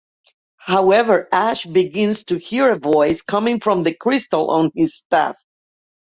However, Ash begins to hear a voice coming from the crystal on his staff.